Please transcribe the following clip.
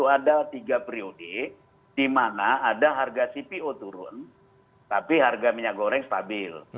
ada tiga periode di mana ada harga cpo turun tapi harga minyak goreng stabil